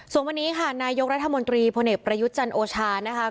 ส่วนวันนี้ค่ะนายกรัฐมนตรีพลเอกประยุทธ์จันทร์โอชานะคะ